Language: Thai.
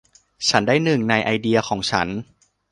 ฉันได้หนึ่งในไอเดียของฉัน